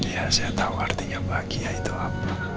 ya saya tahu artinya bahagia itu apa